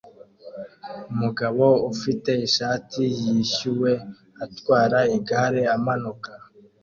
Umugabo ufite ishati yishyuwe atwara igare amanuka